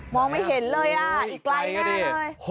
มองไม่เห็นเรื่องอีกไกลนานเลย